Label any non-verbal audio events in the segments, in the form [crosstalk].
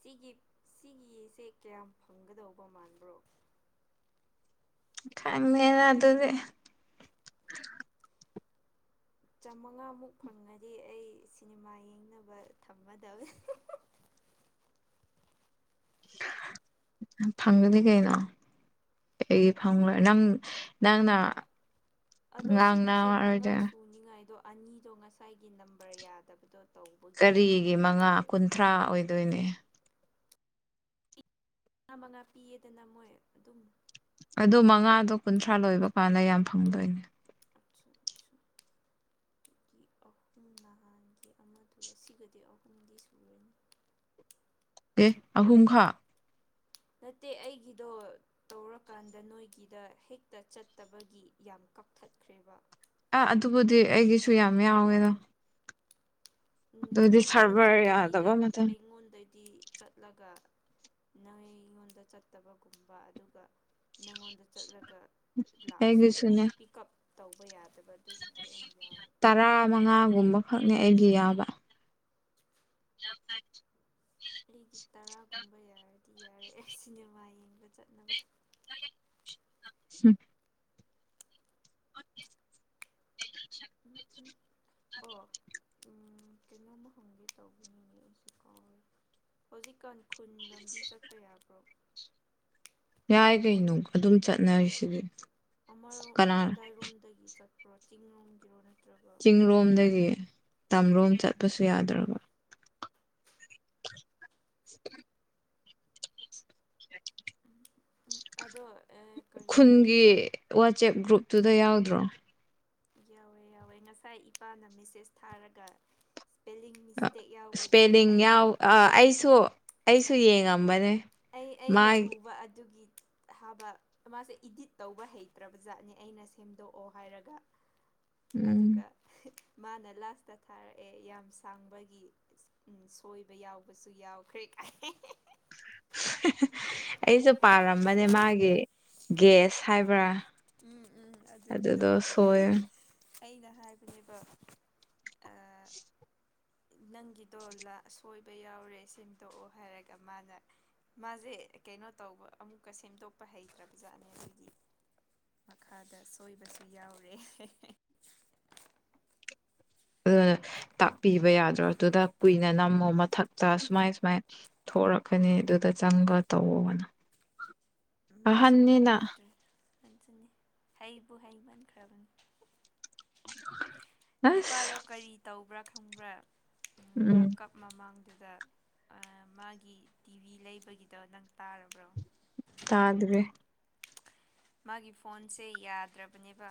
ꯁꯤꯒꯤ ꯁꯤꯒꯤꯁꯦ ꯀꯌꯥꯝ ꯐꯪꯒꯗꯧꯕ ꯃꯥꯟꯕ꯭ꯔꯣ ꯈꯃꯦꯅ ꯑꯗꯨꯗꯤ ꯆꯃꯉꯥꯃꯨꯛ ꯐꯪꯉꯗꯤ ꯑꯩ ꯁꯤꯅꯦꯃꯥ ꯌꯦꯡꯅꯕ ꯊꯝꯒꯗꯦ ꯐꯪꯒꯗꯤ ꯀꯩꯅꯣ ꯑꯩꯗꯤ ꯐꯪꯂꯣꯏ ꯅꯪ ꯅꯪꯅ ꯉꯥꯡꯅ ꯋꯥꯔꯣꯏꯗꯅ ꯆꯪꯅꯤꯡꯉꯥꯏꯗꯣ ꯑꯅꯤꯗꯣ ꯉꯁꯥꯏꯒꯤ ꯅꯝꯕꯔ ꯌꯥꯗꯕꯗꯣ ꯇꯧꯕꯒꯤ ꯑꯅꯤꯗꯤ ꯆꯠꯈ꯭ꯔꯦ ꯊ꯭ꯔꯥ ꯑꯣꯏꯗꯣꯏꯅꯦ ꯃꯉꯥ ꯃꯉꯥ ꯄꯤꯌꯦꯗꯅ ꯃꯣꯏ ꯑꯗꯨꯝ ꯑꯗꯨ ꯃꯉꯥꯗꯣ ꯀꯨꯟꯊ꯭ꯔꯥ ꯂꯣꯏꯕ ꯀꯥꯟꯗ ꯌꯥꯝ ꯐꯪꯗꯣꯏꯅꯦ [inaudible] ꯇꯀꯤ ꯑꯍꯨꯝ ꯅꯍꯥꯟꯒꯤ ꯑꯃꯗꯨ ꯁꯤꯒꯗꯤ ꯑꯍꯨꯝꯗꯤ ꯁꯨꯔꯅꯤ ꯑꯦ ꯑꯍꯨꯝꯈꯥ ꯅꯠꯇꯦ ꯑꯩꯒꯤꯗꯣ ꯇꯧꯔꯀꯥꯟꯗ ꯅꯣꯏꯒꯤꯗ ꯍꯦꯛꯇ ꯆꯠꯇꯕꯒꯤ ꯌꯥꯝ ꯀꯛꯊꯠꯈ꯭ꯔꯦꯕ ꯑꯥ ꯑꯗꯨꯕꯨꯗꯤ ꯑꯩꯒꯤꯁꯨ ꯌꯥꯝ ꯌꯥꯎꯋꯦꯗ ꯑꯗꯨꯗꯤ ꯍꯥꯏꯕꯗꯤ ꯐꯣꯟ ꯁꯔꯚꯔ ꯆꯠꯇꯕꯤꯗ ꯌꯥꯗꯕ ꯃꯇꯝ ꯑꯩꯉꯣꯟꯗꯗꯤ ꯆꯠꯂꯒ ꯅꯪ ꯑꯩꯉꯣꯟꯗ ꯆꯠꯇꯕꯒꯨꯝꯕ ꯑꯗꯨꯒ ꯅꯪꯉꯣꯟꯗ ꯆꯠꯂꯒ ꯂꯥꯛꯑꯁꯨ ꯑꯩꯒꯤꯁꯨꯅꯦ ꯄꯤꯛ ꯎꯞ ꯇꯧꯕ ꯌꯥꯗꯕ ꯑꯗꯨꯒꯨꯝꯕ ꯌꯥꯝ ꯌꯥꯎꯋꯦ ꯇꯔꯥ ꯃꯉꯥꯒꯨꯝꯕꯈꯛꯅꯦ ꯑꯩꯒꯤ ꯌꯥꯕ [inaudible] ꯑꯩꯒꯤ ꯇꯔꯥꯒꯨꯝꯕ ꯌꯥꯔꯗꯤ ꯌꯥꯔꯛꯑꯦ ꯁꯤꯅꯦꯃꯥ ꯌꯦꯡꯕ ꯆꯠꯅꯕ [inaudible] [inaudible] ꯑꯣ ꯀꯩꯅꯣꯝꯃ ꯍꯪꯒꯦ ꯇꯧꯕꯅꯤꯅꯦ ꯑꯩꯁꯦ ꯀꯥꯎꯔꯦ ꯍꯧꯖꯤꯛꯀꯥꯟ ꯈꯨꯟ ꯂꯝꯕꯤ ꯆꯠꯄ ꯌꯥꯕ꯭ꯔꯣ ꯌꯥꯏ ꯀꯩꯅꯣ ꯑꯗꯨꯝ ꯆꯠꯅꯔꯤꯁꯤꯗꯤ ꯑꯃꯔꯣꯝ ꯀꯅꯥ ꯀꯗꯥꯏꯔꯣꯝꯗꯒꯤ ꯆꯠꯄ꯭ꯔꯣ ꯆꯤꯡꯔꯣꯝꯒꯤꯔꯣꯅ ꯆꯤꯡ ꯂꯣꯝꯗꯒꯤ ꯇꯝꯂꯣꯝ ꯎꯝ ꯆꯠꯄꯁꯨ ꯌꯥꯗ꯭ꯔꯕ ꯑꯗꯣ ꯀꯔꯤ ꯈꯨꯟꯒꯤ ꯋꯥꯆꯦꯞ ꯒ꯭ꯔꯨꯞꯇꯨꯗ ꯌꯥꯎꯗ꯭ꯔꯣ ꯌꯥꯎꯋꯦ ꯌꯥꯎꯋꯦ ꯉꯁꯥꯏ ꯏꯄꯥꯅ ꯃꯦꯁꯦꯁ ꯊꯥꯔꯒ ꯏꯁꯄꯦꯜꯂꯤꯡ ꯃꯤꯁꯇꯦꯛ ꯌꯥꯎꯕꯒꯤ ꯏꯁꯄꯦꯂꯤꯡ ꯑꯩꯅ ꯌꯥꯎ ꯑꯩꯁꯨ ꯑꯩꯁꯨ ꯌꯦꯡꯉꯝꯕꯅꯦ ꯑꯩ ꯑꯩꯅ ꯃꯥꯒꯤ ꯎꯕ ꯑꯗꯨꯒꯤ ꯊꯥꯕ ꯃꯥꯁꯦ ꯏꯗꯤꯠ ꯇꯧꯕ ꯍꯩꯇ꯭ꯔꯕ ꯖꯥꯠꯅꯦ ꯑꯩꯅ ꯁꯦꯝꯗꯣꯛꯑꯣ ꯍꯥꯏꯔꯒ ꯎꯝ ꯑꯗꯨꯒ ꯃꯥꯅ ꯂꯥꯁꯇ ꯊꯥꯔꯛꯑꯦ ꯌꯥꯝ ꯁꯥꯡꯕꯒꯤ ꯁꯣꯏꯕ ꯌꯥꯎꯕꯁꯨ ꯌꯥꯎꯈ꯭ꯔꯦ ꯑꯩꯁꯨ ꯄꯥꯔꯝꯕꯅꯦ ꯃꯥꯒꯤ ꯒꯦꯁ ꯍꯥꯏꯕ꯭ꯔꯥ ꯎꯝ ꯎꯝ ꯑꯗꯨꯒꯤꯗꯣ ꯑꯗꯨꯗꯣ ꯁꯣꯏ ꯑꯩꯅ ꯍꯥꯏꯕꯅꯦꯕ ꯑꯥ ꯅꯪꯒꯤꯗꯣ ꯁꯣꯏꯕ ꯌꯥꯎꯔꯦ ꯁꯦꯝꯗꯣꯛꯎ ꯍꯥꯏꯔꯒ ꯃꯥꯅ ꯃꯥꯁꯦ ꯀꯩꯅꯣ ꯇꯧꯕ ꯑꯃꯨꯛꯀ ꯁꯦꯝꯗꯣꯛꯄ ꯍꯩꯇ꯭ꯔꯕ ꯖꯥꯠꯅꯦ ꯑꯗꯨꯗꯤ ꯃꯈꯥꯗ ꯁꯣꯏꯕꯁꯨ ꯌꯥꯎꯔꯦ ꯑꯗꯨꯅ ꯇꯥꯛꯄꯤꯕ ꯌꯥꯗ꯭ꯔꯗꯨꯗ ꯀꯨꯏꯅ ꯅꯝꯃꯣ ꯃꯊꯛꯇ ꯁꯨꯃꯥꯏ ꯁꯨꯃꯥꯏ ꯊꯣꯛꯔꯛꯀꯅꯤ ꯑꯗꯨꯗ ꯆꯪꯕ ꯇꯧꯋꯣꯅ ꯃꯥꯁꯨ ꯑꯍꯟꯅꯤꯅ ꯍꯪꯉꯛꯇ꯭ꯔꯦ ꯈꯟꯁꯅꯤ ꯍꯩꯕꯨ ꯍꯩ ꯃꯟꯈ꯭ꯔꯕꯅꯤ [unintelligible] ꯑꯁ ꯏꯄꯥꯗꯣ ꯀꯔꯤ ꯇꯧꯕ꯭ꯔꯥ ꯈꯪꯕ꯭ꯔꯥ ꯎꯝ ꯋꯥꯔꯛ ꯀꯞ ꯃꯃꯥꯡꯗꯨꯗ ꯃꯥꯒꯤ ꯇꯤꯚꯤ ꯂꯩꯕꯒꯤꯗꯣ ꯅꯪ ꯇꯥꯔꯕ꯭ꯔꯣ ꯇꯥꯗꯔꯦ ꯃꯥꯒꯤ ꯐꯣꯟꯁꯦ ꯌꯥꯗ꯭ꯔꯕꯅꯦꯕ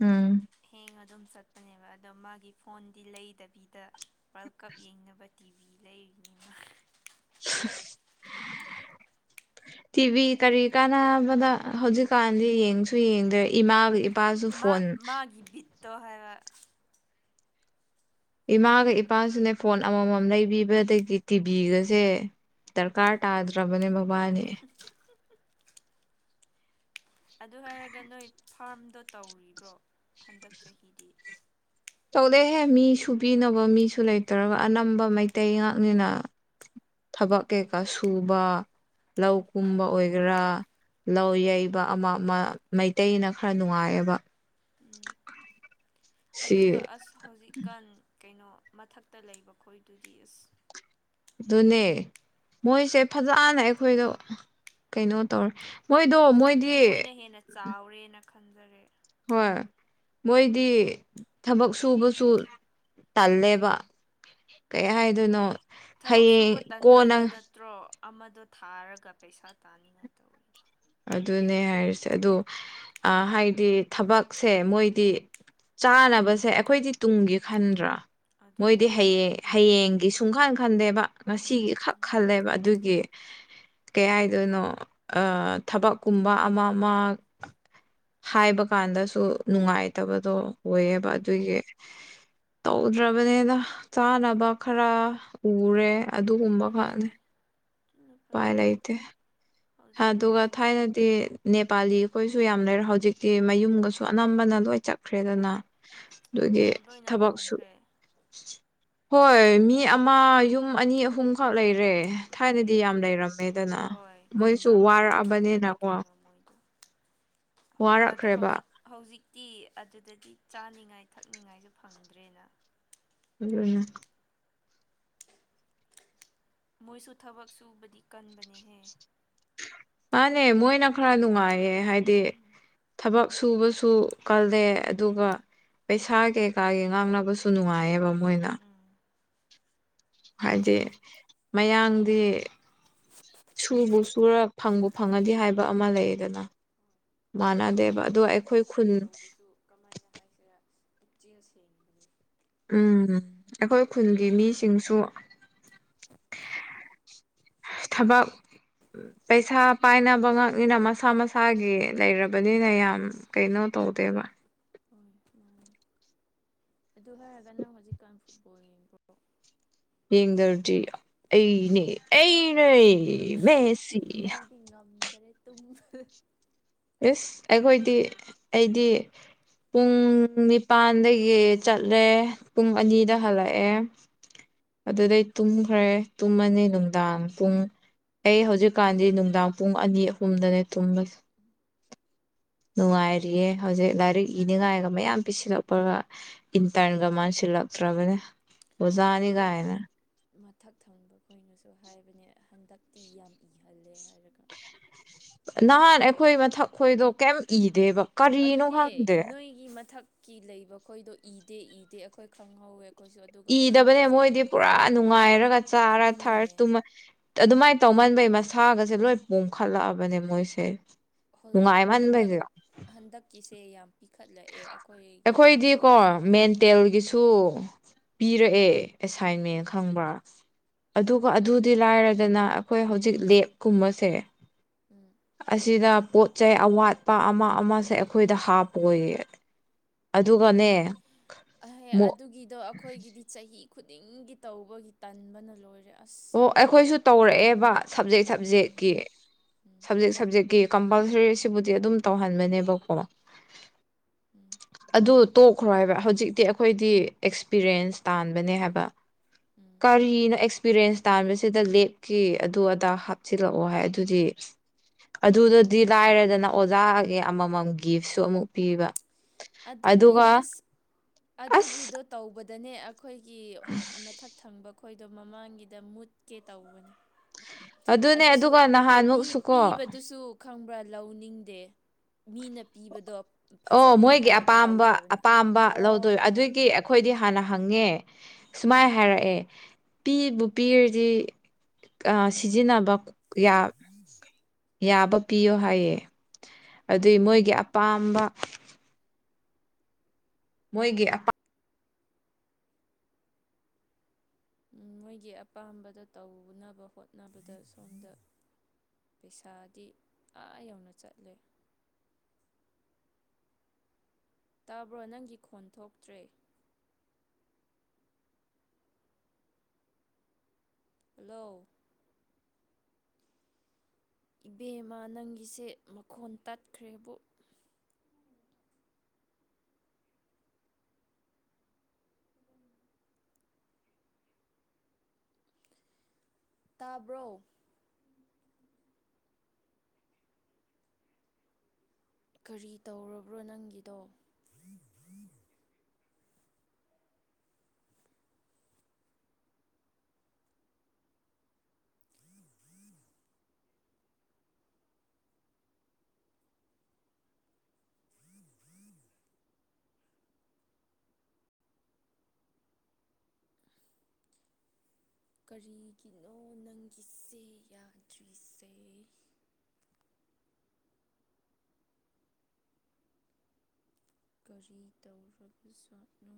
ꯎꯝ ꯍꯦꯡ ꯑꯗꯨꯝ ꯆꯠꯄꯅꯦꯕ ꯑꯗꯣ ꯃꯥꯒꯤ ꯐꯣꯟꯗꯤ ꯂꯩꯗꯕꯤꯗ ꯋꯥꯔꯜ ꯀꯞ ꯌꯦꯡꯅꯕ ꯇꯤꯚꯤ ꯂꯩꯔꯤꯅꯤꯃ [inaudible] ꯇꯤꯚꯤ ꯀꯔꯤ ꯀꯥꯟꯅꯕꯗ ꯍꯧꯖꯤꯛꯀꯥꯟꯗꯤ ꯌꯦꯡꯁꯨ ꯌꯦꯡꯗ꯭ꯔꯦ ꯏꯃꯥꯒ ꯏꯄꯥꯁꯨ ꯃꯥ ꯐꯣꯟ ꯃꯥꯒꯤ ꯕꯤꯠꯇꯣ ꯍꯥꯏꯕ ꯏꯃꯥꯒ ꯏꯄꯥꯁꯤꯅꯦ ꯐꯣꯟ ꯑꯃꯃꯝ ꯂꯩꯕꯤꯕꯗꯒꯤ ꯇꯤꯚꯤꯒꯁꯦ ꯗꯔꯀꯥꯔ ꯇꯥꯗ꯭ꯔꯕꯅꯦ ꯃꯕꯥꯅꯤ ꯑꯗꯨ ꯍꯥꯏꯔꯒ ꯅꯣꯏ ꯐꯥꯔꯝꯗꯣ ꯇꯧꯔꯤꯕ꯭ꯔꯣ ꯍꯟꯗꯛ ꯆꯍꯤꯗꯤ ꯇꯧꯗꯦꯍꯦ ꯃꯤ ꯁꯨꯕꯤꯅꯕ ꯃꯤꯁꯨ ꯂꯩꯇ꯭ꯔꯒ ꯑꯅꯝꯕ ꯃꯩꯇꯩ ꯉꯥꯛꯅꯤꯅ ꯊꯕꯛ ꯀꯩꯀꯥ ꯁꯨꯕ ꯂꯧ ꯀꯨꯝꯕ ꯑꯣꯏꯒꯦꯔꯥ ꯂꯧ ꯌꯩꯕ ꯑꯃ ꯑꯃ ꯃꯩꯇꯩꯅ ꯈꯔ ꯅꯨꯡꯉꯥꯏꯑꯕ ꯎꯝ ꯁꯤ ꯑꯗꯨꯒ ꯑꯁ ꯍꯧꯖꯤꯛꯀꯥꯟ ꯀꯩꯅꯣ ꯃꯊꯛꯇ ꯂꯩꯕ ꯈꯣꯏꯗꯨꯗꯤ ꯑꯁ ꯑꯗꯨꯅꯦ ꯃꯣꯏꯁꯦ ꯐꯖꯅ ꯑꯩꯈꯣꯏꯗ ꯀꯩꯅꯣ ꯇꯧꯔꯦ ꯃꯣꯏꯗꯣ ꯍꯧꯖꯤꯛꯇꯤ ꯃꯣꯏꯗꯤ ꯃꯣꯏꯅ ꯍꯦꯟꯅ ꯆꯥꯎꯔꯦꯅ ꯈꯟꯖꯔꯦ ꯍꯣꯏ ꯃꯣꯏꯗꯤ ꯊꯕꯛ ꯁꯨꯕꯁꯨ ꯇꯜꯂꯦꯕ ꯀꯩ ꯑꯗꯨꯅꯤ ꯍꯥꯏꯗꯣꯏꯅꯣ ꯊꯕꯛ ꯍꯌꯦꯡ ꯁꯨꯕ ꯀꯣꯟꯅ ꯇꯟꯕꯒꯤ ꯅꯠꯇ꯭ꯔꯣ ꯑꯃꯗꯣ ꯊꯥꯔꯒ ꯄꯩꯁꯥ ꯇꯥꯅꯤꯡꯉꯥꯏ ꯇꯧꯋꯤ ꯑꯗꯨꯅꯦ ꯍꯥꯏꯔꯤꯁꯦ ꯑꯗꯣ ꯍꯥꯏꯗꯤ ꯊꯕꯛꯁꯦ ꯃꯣꯏꯗꯤ ꯆꯥꯅꯕꯁꯦ ꯑꯩꯈꯣꯏꯗꯤ ꯇꯨꯡꯒꯤ ꯈꯟꯗ꯭ꯔꯥ ꯑꯗꯨꯅꯦ ꯃꯣꯏꯗꯤ ꯍꯌꯦꯡ ꯍꯌꯦꯡꯒꯤ ꯁꯨꯡꯀꯥꯟ ꯈꯟꯗꯦꯕ ꯉꯁꯤꯒꯤ ꯈꯟꯗꯦ ꯈꯛ ꯈꯟꯗꯦ ꯈꯜꯂꯦꯕ ꯑꯗꯨꯒꯤ ꯀꯩ ꯍꯥꯏꯗꯣꯏꯅꯣ ꯊꯕꯛꯀꯨꯝꯕ ꯑꯃ ꯑꯃ ꯍꯥꯏꯕ ꯀꯥꯟꯗꯁꯨ ꯅꯨꯡꯉꯥꯏꯇꯕꯗꯣ ꯑꯣꯏꯌꯦꯕ ꯎꯝ ꯑꯗꯨꯒꯤ ꯇꯧꯗ꯭ꯔꯕꯅꯤꯅ ꯆꯥꯅꯕ ꯈꯔ ꯎꯔꯦ ꯑꯗꯨꯒꯨꯝꯕꯈꯛꯅꯤ ꯑꯗꯨꯅꯦ ꯑꯗꯨꯅ ꯄꯥꯏ ꯐꯔꯦꯗ ꯂꯩꯇꯦ ꯑꯗꯨꯒ ꯍꯧꯖꯤꯛꯀꯥꯟꯒꯤ ꯊꯥꯏꯅꯗꯤ ꯅꯦꯄꯥꯂꯤ ꯑꯩꯈꯣꯏꯁꯨ ꯌꯥꯝ ꯂꯩꯔ ꯍꯧꯖꯤꯛꯇꯤ ꯎꯝ ꯃꯌꯨꯝꯒꯁꯨ ꯁꯨ ꯑꯅꯝꯕꯅ ꯂꯣꯏ ꯆꯠꯈ꯭ꯔꯦꯗꯅ ꯑꯗꯨꯒꯤ ꯑꯣ ꯂꯣꯏꯅ ꯊꯕꯛꯁꯨ ꯍꯣꯡꯈ꯭ꯔꯦ ꯍꯣꯏ ꯃꯤ ꯑꯃ ꯌꯨꯝ ꯑꯅꯤ ꯑꯍꯨꯝꯈꯛ ꯂꯩꯔꯦ ꯊꯥꯏꯅꯗꯤ ꯑꯌꯥ ꯌꯥꯝ ꯂꯩꯔꯝꯃꯦꯗꯅ ꯍꯣꯏ ꯈꯨꯟ ꯃꯣꯏꯁꯨ ꯑꯃ ꯄꯥꯜꯂꯝꯕꯅꯦ ꯋꯥꯔꯛꯑꯕꯅꯤꯅꯀꯣ ꯀꯩꯅꯣ ꯃꯣꯏꯗꯣ ꯑꯥꯗ ꯋꯥꯔꯛꯈ꯭ꯔꯦꯕ ꯍꯧꯖꯤꯛ ꯍꯧꯖꯤꯛꯇꯤ ꯑꯗꯨꯗꯗꯤ ꯆꯥꯅꯤꯡꯉꯥꯏ ꯊꯛꯅꯤꯡꯉꯥꯏꯁꯨ ꯐꯪꯗ꯭ꯔꯦꯅ ꯎ ꯑꯣꯏꯅ ꯃꯣꯏꯁꯨ ꯊꯕꯛ ꯁꯨꯕꯗꯤ ꯀꯟꯕꯅꯦꯍꯦ ꯃꯥꯅꯦ ꯃꯣꯏꯅ ꯈꯔ ꯅꯨꯡꯉꯥꯏꯌꯦ ꯍꯥꯏꯗꯤ ꯊꯕꯛ ꯁꯨꯕꯁꯨ ꯀꯜꯂꯦ ꯑꯗꯨꯒ ꯄꯩꯁꯥ ꯀꯩꯀꯥꯒꯤ ꯉꯥꯡꯅꯕꯁꯨ ꯅꯨꯡꯉꯥꯏꯌꯦꯕ ꯃꯣꯏꯅ ꯎꯝ ꯍꯥꯏꯗꯤ ꯃꯌꯥꯡꯗꯤ ꯁꯨꯕꯨ ꯁꯨꯔ ꯐꯪꯕꯨ ꯐꯪꯉꯗꯤ ꯍꯥꯏꯕ ꯑꯃ ꯂꯩꯌꯦꯗꯅ ꯃꯥꯟꯅꯗꯦꯕ ꯑꯗꯨꯒ ꯑꯗꯣ ꯃꯣꯏꯗꯤ ꯑꯩꯈꯣꯏ ꯊꯕꯛ ꯈꯨꯟ ꯇꯧꯕꯁꯨ ꯀꯃꯥꯏꯅ ꯍꯥꯏꯁꯤꯔ ꯄꯨꯛꯆꯦꯜ ꯁꯦꯡꯗ‌ꯦ ꯎꯝ ꯑꯩꯈꯣꯏ ꯈꯨꯜꯒꯤ ꯃꯤꯁꯤꯡꯁꯨ ꯊꯕꯛ ꯄꯩꯁꯥ ꯄꯥꯏꯅꯕ ꯉꯥꯛꯅꯤꯅ ꯃꯁꯥ ꯃꯁꯥꯒꯤ ꯂꯩꯔꯕꯅꯤꯅ ꯌꯥꯝ ꯀꯩꯅꯣ ꯇꯧꯗꯦꯕ ꯍꯣꯏ ꯃꯥ [unintelligible] ꯑꯗꯨ ꯍꯥꯏꯔꯒ ꯅꯪ ꯍꯧꯖꯤꯛꯀꯥꯟ ꯐꯨꯠꯕꯣꯜ ꯌꯦꯡ ꯌꯦꯡꯗꯔꯗꯤ ꯑꯩꯅꯦ ꯑꯩꯅꯦ ꯃꯦꯁꯤ ꯑꯩꯗꯤ ꯉꯝꯗ꯭ꯔꯦ ꯇꯨꯝꯕ ꯏꯁ ꯑꯩꯈꯣꯏꯗꯤ ꯑꯩꯗꯤ ꯄꯨꯡ ꯅꯤꯄꯥꯥꯟꯗꯒꯤ ꯆꯠꯂꯦ ꯄꯨꯡ ꯑꯅꯤꯗ ꯍꯜꯂꯛꯑꯦ ꯑꯗꯨꯗꯩ ꯇꯨꯝꯈ꯭ꯔꯦ ꯇꯨꯝꯃꯅꯤ ꯅꯨꯡꯗꯥꯡ ꯄꯨꯡ ꯑꯩ ꯍꯧꯖꯤꯛꯀꯥꯟꯗꯤ ꯅꯨꯡꯗꯥꯡ ꯄꯨꯡ ꯑꯅꯤ ꯑꯍꯨꯝꯗꯅꯦ ꯊꯨꯝꯕꯁꯦ ꯅꯨꯡꯉꯥꯏꯔꯤꯌꯦ ꯍꯧꯖꯤꯛ ꯂꯥꯏꯔꯤꯛ ꯏꯅꯤꯡꯉꯥꯏꯒ ꯃꯌꯥꯝ ꯄꯤꯁꯤꯜꯂꯛꯄꯒ ꯏꯟꯇꯔꯟꯒ ꯃꯥꯁꯤꯜ ꯂꯛꯇ꯭ꯔꯕꯅꯦ ꯑꯩꯈꯣꯏꯒꯤ ꯃꯊꯛ ꯊꯪꯕ ꯈꯣꯏꯅꯁꯨ ꯍꯥꯏꯕꯅꯦ ꯍꯟꯗꯛꯇꯤ ꯌꯥꯝ ꯏꯍꯜꯂꯦ ꯍꯥꯏꯔꯒ ꯅꯍꯥꯟ ꯑꯩꯈꯣꯏ ꯃꯊꯛ ꯈꯈꯣꯏꯗꯣ ꯀꯩꯝ ꯏꯗꯦꯕ ꯀꯔꯤꯅꯣ ꯑꯗꯨꯅꯦ ꯈꯪꯗꯦ ꯅꯣꯏꯒꯤ ꯃꯊꯛꯀꯤ ꯂꯩꯕ ꯈꯣꯏꯗꯣ ꯏꯗꯦ ꯏꯗꯦ ꯑꯩꯈꯣꯏ ꯈꯪꯍꯧꯋꯦ ꯑꯩꯈꯣꯏꯁꯨ ꯑꯗꯨꯒ ꯏꯗꯕꯅꯦ ꯍꯧꯖꯤꯛꯀꯤꯁꯦ ꯃꯣꯏꯗꯤ ꯄꯨꯔꯥ ꯅꯨꯡꯉꯥꯏꯔꯒ ꯆꯥꯔ ꯑꯗꯨꯅꯦ ꯊꯥꯔꯇꯨꯝꯃ ꯑꯗꯨꯃꯥꯏꯅ ꯇꯧꯃꯟꯕꯩ ꯃꯁꯥꯒꯁꯦ ꯂꯣꯏ ꯄꯣꯝꯈꯠꯂꯛꯑꯕꯅꯦ ꯃꯣꯏꯁꯦ ꯍꯟꯗꯛ ꯉꯥꯏꯃꯟꯅꯕꯒꯤꯔꫭ ꯍꯟꯗꯛꯀꯤꯁꯦ ꯌꯥꯝ ꯄꯤꯈꯠꯂꯛꯑꯦ ꯑꯩꯈꯣꯏꯒꯤ ꯃꯤ ꯈꯣꯏꯅꯁꯨ ꯍꯥꯏ ꯇꯦꯜꯒꯤꯁꯨ ꯄꯤꯔꯛꯑꯦ ꯑꯦꯁꯥꯏꯟꯃꯦꯟ ꯎꯝ ꯈꯪꯕ꯭ꯔꯥ ꯑꯗꯨꯒ ꯑꯗꯨꯗꯤ ꯂꯥꯏꯔꯗꯅ ꯑꯩꯈꯣꯏ ꯍꯧꯖꯤꯛ ꯂꯦꯞꯀꯨꯝꯕꯁꯦ ꯎꯝ ꯑꯁꯤꯗ ꯄꯣꯠ ꯆꯩ ꯑꯋꯥꯠꯄ ꯑꯃ ꯑꯃꯁꯦ ꯑꯩꯈꯣꯏꯗ ꯍꯥꯞꯄꯣꯌ‌ꯦ ꯍ ꯑꯍꯦ ꯑꯗꯨꯒꯤꯗꯣ ꯑꯩꯈꯣꯏꯒꯤꯗꯤ ꯆꯍꯤ ꯈꯨꯗꯤꯡꯒꯤ ꯇꯧꯕꯒꯤ ꯇꯟꯕꯅ ꯂꯣꯏꯔꯦ ꯑꯁ ꯑꯣ ꯑꯩꯈꯣꯏꯁꯨ ꯇꯧꯔꯛꯑꯦꯕ ꯁꯞꯖꯦꯛ ꯎꯝ ꯁꯕꯖꯦꯛꯀꯤ ꯎꯝ ꯁꯕꯖꯦꯛ ꯁꯕꯖꯦꯛꯀꯤ ꯀꯝꯄꯜꯁꯔꯤ ꯑꯁꯤꯕꯨꯗꯤ ꯑꯗꯨꯝ ꯇꯧꯍꯟꯕꯅꯦꯕꯀꯣ ꯎꯝ [unintelligible] ꯑꯗꯨ ꯇꯣꯛꯈ꯭ꯔꯣ ꯍꯥꯏꯕ ꯍꯧꯖꯤꯛꯇꯤ ꯑꯩꯈꯣꯏꯗꯤ ꯑꯦꯛꯁꯄꯤꯔꯤꯌꯦꯟꯁ ꯇꯥꯟꯕꯅꯦ ꯍꯥꯏꯕ ꯎꯝ ꯀꯔꯏꯅꫭ ꯑꯦꯁ ꯑꯦꯛꯁꯄꯤꯔꯌꯦꯟꯁ ꯇꯥꯟꯕꯁꯤꯗ ꯂꯦꯞꯀꯤ ꯑꯗꯨ ꯑꯗꯥ ꯍꯥꯞꯆꯤꯜꯂꯛꯑꯣ ꯍꯥꯏ ꯑꯗꯨꯗꯤ ꯑꯗꯨꯗꯗꯤ ꯂꯥꯏꯔꯦꯗꯅ ꯑꯣꯖꯥꯒꯤ ꯑꯃꯃꯝ ꯒꯤꯁꯨ ꯑꯃꯨꯛ ꯄꯤꯕ ꯑꯗꯨꯅꯦ ꯑꯗꯨꯒ ꯑꯁ ꯑꯁ ꯑꯗꯨꯒꯤꯗꯣ ꯇꯧꯕꯗꯅꯦ ꯑꯩꯈꯣꯏꯒꯤ ꯃꯊꯛ ꯊꯪꯕ ꯑꯩꯈꯣꯏꯗꯣ ꯃꯃꯥꯡꯒꯤꯗ ꯃꯨꯠꯀꯦ ꯇꯧꯕꯅꯤ ꯑꯗꯨꯅꯦ ꯑꯗꯨꯁꯨ ꯑꯗꯨꯒ ꯄꯤ ꯅꯍꯥꯟꯃꯨꯛꯁꯨꯀꯣ ꯄꯤꯕꯗꯨꯁꯨ ꯈꯪꯕ꯭ꯔꯥ ꯂꯧꯅꯤꯡꯗꯦ ꯃꯤꯅ ꯄꯤꯕꯗꯣ ꯑꯣ ꯐꯖꯗꯦ ꯃꯣꯏꯒꯤ ꯍꯥꯏꯔꯒ ꯑꯄꯥꯝꯕ ꯂꯧꯗꯕꯅꯦ ꯑꯄꯥꯝꯕ ꯂꯧꯗꯣꯏ ꯍꯣꯏ ꯍꯣꯏ ꯑꯗꯨꯏꯒꯤ ꯑꯩꯈꯣꯏꯗꯤ ꯍꯥꯟꯅ ꯍꯪꯉꯦ ꯁꯨꯃꯥꯏ ꯍꯥꯏꯔꯛꯑꯦ ꯄꯤꯕꯨ ꯄꯤꯔꯗꯤ ꯁꯤꯖꯤꯟ ꯅꯕꯝ ꯌꯥꯕ ꯄꯤꯌꯣ ꯍꯥꯏꯌꯦ ꯑꯗꯨꯏ ꯃꯣꯏꯒꯤ ꯑꯄꯥꯝꯕ ꯃꯣꯏꯒꯤ ꯑꯄꯥ ꯎꯝ ꯃꯣꯏꯒꯤ ꯑꯄꯥꯝꯕꯗ ꯇꯧꯅꯕ ꯍꯣꯠꯅꯕꯗ ꯁꯣꯝꯗ ꯄꯩꯁꯥꯗꯤ ꯑꯥ ꯌꯧꯅ ꯆꯠꯂꯦ ꯇꯥꯕ꯭ꯔꯣ ꯅꯪꯒꯤ ꯈꯣꯟ ꯊꯣꯛꯇ꯭ꯔꯦ ꯍꯜꯂꯣ ꯏꯕꯦꯝꯃ ꯅꯪꯒꯤꯁꯦ ꯃꯈꯣꯟ ꯇꯠꯈ꯭ꯔꯦꯕꯨ ꯇꯥꯕ꯭ꯔꯣ ꯀꯔꯤ ꯇꯧꯔꯕ꯭ꯔꯣ ꯅꯪꯒꯤꯗꯣ [inaudible] ꯀꯔꯤꯒꯤꯅꯣ ꯅꯪꯒꯤ ꯆꯦ ꯌꯥꯗ꯭ꯔꯤꯁꯦ ꯀꯔꯤ ꯇꯧꯔꯕ ꯁꯥꯠꯅꯣ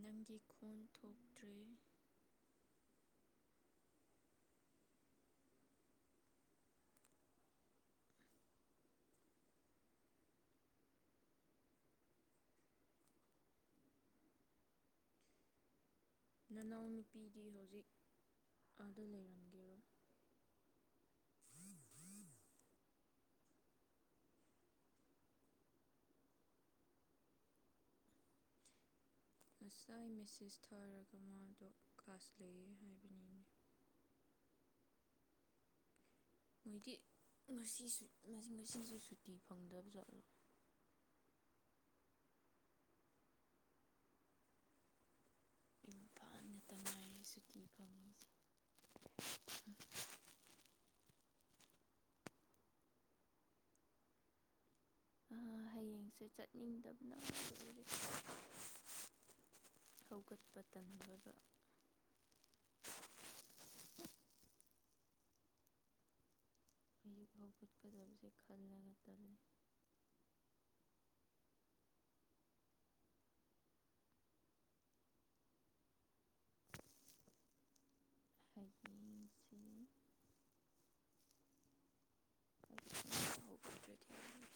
ꯅꯪꯒꯤ ꯈꯣꯟ ꯊꯣꯛꯇ꯭ꯔꯦ ꯅꯅꯥꯎꯅꯨꯄꯤꯗꯤ ꯍꯧꯖꯤꯛ ꯑꯥꯗ ꯂꯩꯔꯝꯒꯦꯔꯣ ꯍꯟ ꯍꯔꯤꯟ [unintelligible] ꯉꯁꯥꯏ ꯃꯦꯁꯦꯖ ꯊꯥꯔꯒ ꯃꯥꯗꯣ ꯀ꯭ꯂꯥꯁ ꯂꯩꯌꯦ ꯍꯥꯏꯕꯅꯤꯅꯦ ꯃꯣꯏꯗꯤ ꯉꯁꯤꯁꯨ ꯉꯁꯤꯁꯨ ꯁꯨꯇꯤ ꯐꯪꯗꯕ ꯖꯥꯠꯂꫭ ꯏꯝꯐꯜ ꯇ ꯉꯥꯏꯔꯦ ꯁꯨꯇꯤ ꯐꯪꯉꯤꯁꯦ [unintelligible] ꯍꯌꯦꯡꯁꯦ ꯆꯠꯅꯤꯡꯗꯕꯅ ꯑꯣꯏꯔꯤ [unintelligible] ꯍꯧꯒꯠꯄ ꯇꯝꯕꯒꯥ ꯍꯧꯖꯤꯛ ꯍꯧꯒꯠꯀꯗꯕꯁꯦ ꯈꯜꯂꯒ ꯇꯜꯂꯤ ꯊꯩꯕꯤꯡꯁꯤ [unintelligible]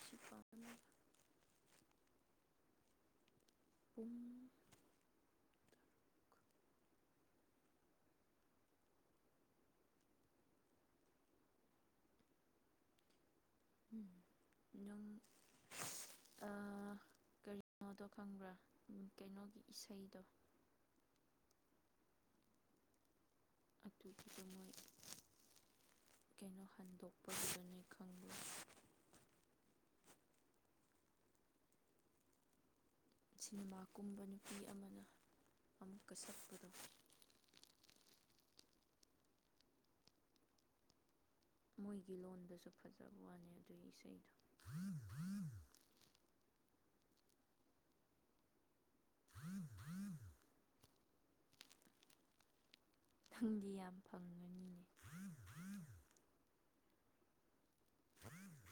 ꯁꯨ ꯄ [unintelligible] ꯄꯨꯡ ꯎ ꯑꯗꯨꯝ ꯀꯩꯅꯣꯗꯣ ꯈꯪꯕ꯭ꯔꯥ ꯀꯩꯅꯣꯒꯤ ꯏꯁꯩꯗꯣ ꯑꯗꯨꯒꯤꯗ ꯃꯣꯏ ꯀꯩꯅꯣ ꯍꯟꯗꯣꯛꯄꯗꯨꯗꯨꯅꯤ ꯈꯪꯕꯨ ꯁꯤꯅꯦꯃꯥ ꯀꯨꯝꯕ ꯅꯨꯄꯤ ꯑꯃꯅ ꯑꯃꯨꯛꯀ ꯁꯛꯄꯗꯣ ꯃꯣꯏꯒꯤ ꯂꯣꯟꯗꯁꯨ ꯐꯖꯕ ꯋꯥꯅꯤ ꯑꯗꯨꯒꯤ ꯏꯁꯩꯗꯣ ꯅꯪꯗꯤ ꯌꯥꯝ ꯐꯪꯉꯅꯤꯅꯦ [inaudible]